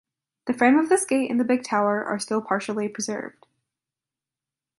The frame of this gate and the big tower are still partially preserved.